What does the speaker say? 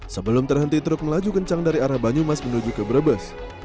sebelum terhenti truk melaju kencang dari arah banyumas menuju ke brebes